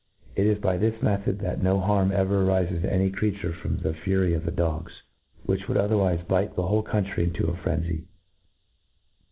Ijt is by this method that no liarm ever arifcs to my creature from the fury rf the dogs, which would otherwifc bite the ^hol^ country mto 5t frenzy.